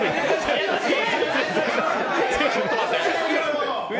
ちょっと待って。